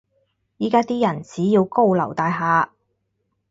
依家啲人只要高樓大廈